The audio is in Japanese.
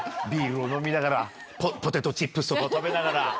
ビールを飲みながら、ポテトチップスとか食べながら？